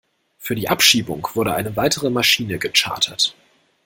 Für die Abschiebung wurde eine weitere Maschine gechartert.